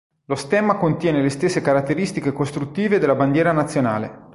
Lo stemma contiene le stesse caratteristiche costruttive della bandiera nazionale.